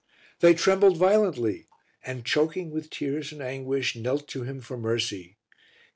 They trembled violently and, choking with tears and anguish, knelt to him for mercy.